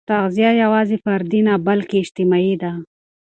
تغذیه یوازې فردي نه، بلکې اجتماعي ده.